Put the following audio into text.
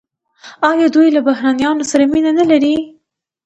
آیا دوی له بهرنیانو سره مینه نلري؟